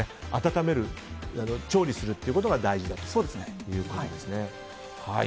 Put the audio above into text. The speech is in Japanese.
温める、調理することが大事だということですね。